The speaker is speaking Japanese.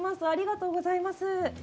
ありがとうございます。